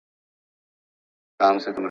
ماشینونه له ډاټا زده کوي.